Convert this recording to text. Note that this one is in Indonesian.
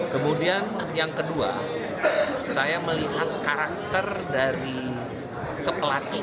kemudian yang kedua saya melihat karakter dari kepelatih